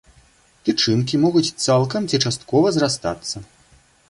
Тычынкі могуць цалкам ці часткова зрастацца.